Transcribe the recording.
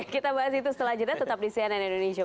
kita bahas itu selanjutnya tetap di cnn indonesia prime news